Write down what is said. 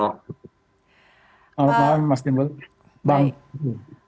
selamat malam mas timbul